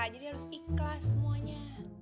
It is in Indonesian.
jadi harus ikhlas semuanya